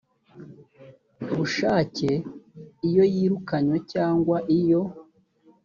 bushake iyo yirukanywe cyangwa iyo